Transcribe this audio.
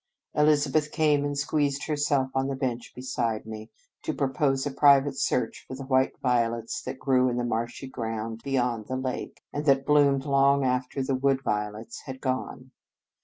Elizabeth came and squeezed herself on the bench beside me, to propose a private search for the white violets that grew in the marshy ground beyond the lake, and that bloomed long after the wood violets had gone.